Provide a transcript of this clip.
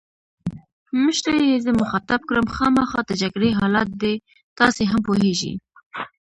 مشرې یې زه مخاطب کړم: خامخا د جګړې حالات دي، تاسي هم پوهېږئ.